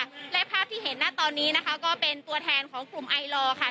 และภาพที่เห็นหน้าตอนนี้นะคะก็เป็นตัวแทนของกลุ่มไอลอร์ค่ะ